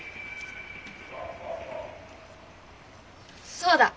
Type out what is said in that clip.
そうだ！